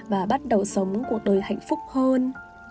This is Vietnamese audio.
và bắt đầu sống cuộc đời hạnh phúc hơn